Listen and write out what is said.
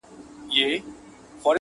ساقي د میو ډک جامونه په نوبت وېشله٫